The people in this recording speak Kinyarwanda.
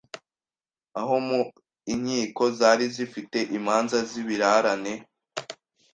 aho mu inkiko zari zifite imanza z’ibirarane